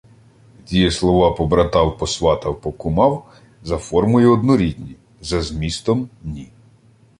Дієслова "побратав, посватав, покумав" за формою — однорідні, за змістом — ні.